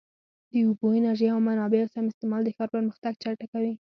د اوبو، انرژۍ او منابعو سم استعمال د ښار پرمختګ چټکوي.